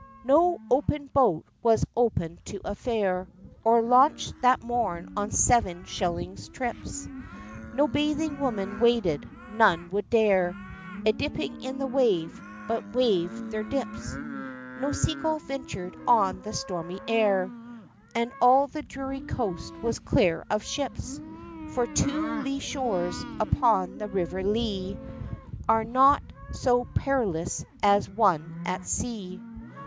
No open boat was open to a fare, Or launched that morn on seven shilling trips; No bathing woman waded none would dare A dipping in the wave but waived their dips; No seagull ventured on the stormy air, And all the dreary coast was clear of ships; For two lea shores upon the River Lea Are not so perilous as one at sea.